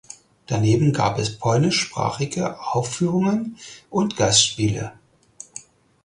Daneben gab es polnischsprachige Aufführungen und Gastspiele.